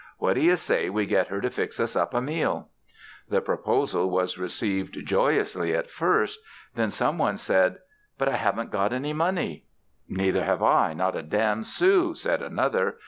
What do you say we get her to fix us up a meal?" The proposal was received joyously at first. Then some one said: "But I haven't got any money." "Neither have I not a damn sou!" said another.